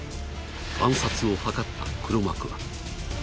暗殺を謀った黒幕は？